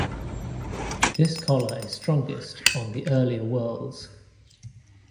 This collar is strongest on the earlier whorls.